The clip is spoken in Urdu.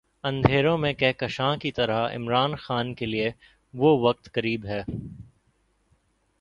اندھیروں میں کہکشاں کی طرح عمران خان کے لیے وہ وقت قریب ہے۔